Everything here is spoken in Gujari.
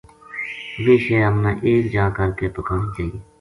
ویہ شے ہمنا ایک جا کر کے پکانی چاہیے